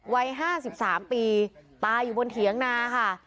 วัย๕๓ปีตายอยู่บนเถียงนาค่ะ